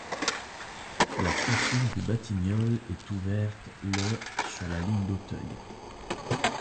La station des Batignolles est ouverte le sur la ligne d'Auteuil.